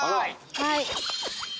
はい！